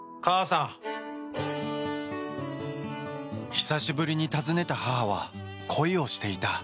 久しぶりに訪ねた母は恋をしていた。